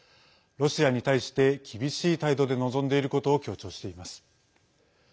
ロシアに対して厳しい態度で臨んでいることを強調しています。